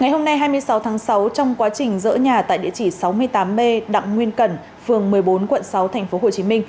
ngày hôm nay hai mươi sáu tháng sáu trong quá trình dỡ nhà tại địa chỉ sáu mươi tám b đặng nguyên cẩn phường một mươi bốn quận sáu tp hcm